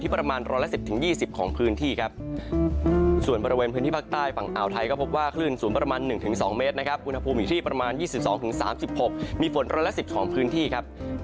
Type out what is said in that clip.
ภาคใต้ฝั่งอ่าวไทยก็พบว่าคลื่นสูงประมาณ๑๒เมตรนะครับอุณหภูมิที่ประมาณ๒๒๓๖มีฝนร้อยละ๑๐ของพื้นที่ครับ